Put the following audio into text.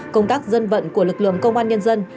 công tác dân vận của lực lượng công an nhân dân